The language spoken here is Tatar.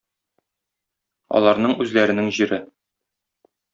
Аларның үзләренең җире.